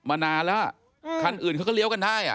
กลุ่มวัยรุ่นก็ตอบไปว่าเอ้าก็จอดรถจักรยานยนต์ตรงแบบเนี้ยมานานแล้วอืม